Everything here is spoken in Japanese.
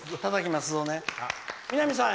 南さん